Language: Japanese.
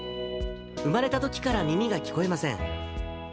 生まれたときから耳が聞こえません。